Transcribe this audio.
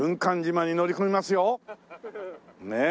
ねえ。